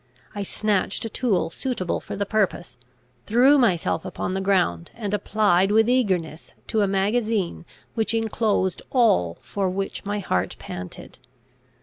I snatched a tool suitable for the purpose, threw myself upon the ground, and applied with eagerness to a magazine which inclosed all for which my heart panted.